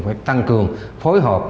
phải tăng cường phối hợp